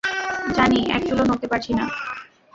Johnny, একচুলও নড়তে পারছি না।